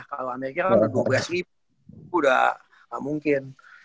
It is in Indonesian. kalau amerika kan dua belas ribu udah gak mungkin